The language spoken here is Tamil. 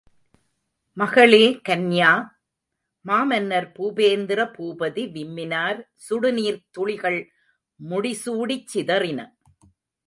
மகளே கன்யா! மாமன்னர் பூபேந்திர பூபதி விம்மினார் சுடுநீர்த் துளிகள் முடிசூடிச் சிதறின!